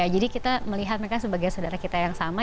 jadi kita melihat mereka sebagai saudara kita yang sama